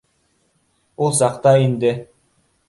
— Ул саҡта инде